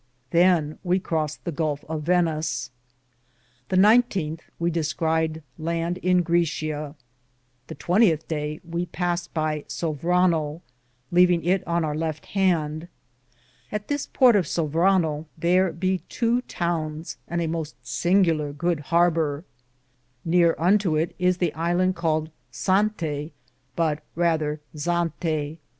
Than we crost the gulfe of Venis. The 19th we discried lande in Gricla. The 20th daye we paste by Saffranee, leavinge it on our lefte hande. At this porte of Saffranee^ thare be tow tounes, and a moste singuler good harber. Neare unto it is the iland caled Sante, but rether Zante.